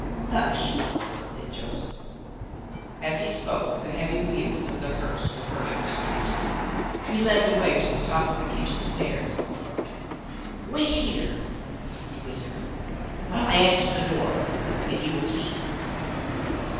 "Hush!" said Joseph. As he spoke, the heavy wheels of the hearse were heard in the street. He led the way to the top of the kitchen stairs. "Wait here," he whispered, "while I answer the door and you will see."